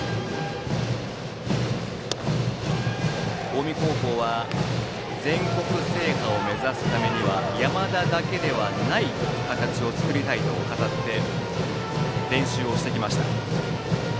近江高校は全国制覇を目指すためには山田だけではない形を作りたいと語って練習をしてきました。